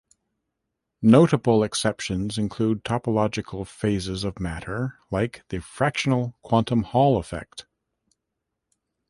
Notable exceptions include topological phases of matter like the fractional quantum Hall effect.